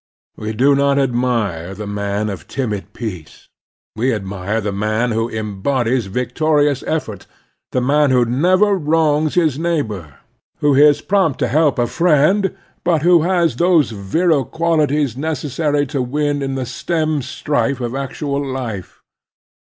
We do not admire the man of timid peace. We admire the man who embodies victorious effort ; the man who never wrongs his neighbor, who is prompt to help a friend, but who has those virile qualities neces sary to win in the stem strife of actual life.